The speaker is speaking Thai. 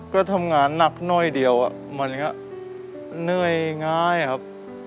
ก็ทำงานหนักหน่อยเดียวมันก็เหนื่อยง่ายครับ